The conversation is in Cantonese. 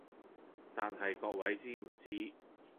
但係各位知唔知